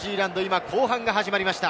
今、後半が始まりました。